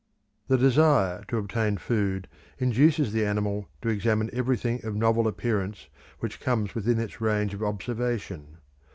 The desire to obtain food induces the animal to examine everything of novel appearance which comes within its range of observation.